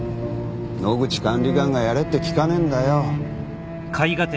野口管理官がやれって聞かねえんだよ。